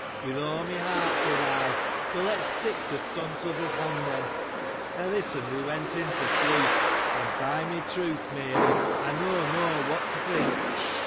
With all my heart, said I, but let us stick to one another's hand, then. In this manner we went into the barn, and by my troth, Mary, I know not what to think